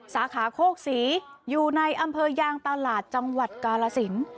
สาขาโคกศรีอยู่ในอำเภอยางตลาดจังหวัดกาลสิน